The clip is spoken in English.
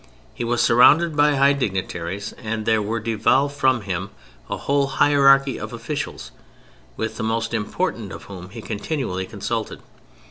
He was surrounded by high dignitaries, and there devolved from him a whole hierarchy of officials, with the most important of whom he continually consulted.